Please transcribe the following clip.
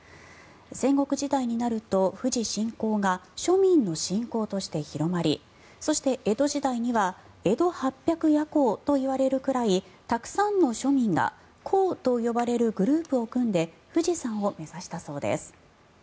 戦国時代になると富士信仰が庶民の信仰として広がりそして、江戸時代には江戸八百八講といわれるくらいたくさんの庶民が講と呼ばれるグループを組んで富士山を目指したそうです。